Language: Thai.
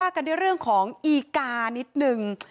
ว่ากันในเรื่องของอีกานิดหนึ่ง